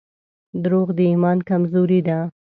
• دروغ د ایمان کمزوري ده.